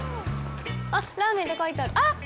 あっ、「ラーメン」って書いてある！